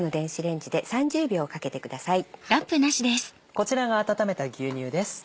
こちらが温めた牛乳です。